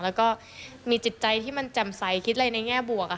แล้วก็มีจิตใจที่มันแจ่มใสคิดอะไรในแง่บวก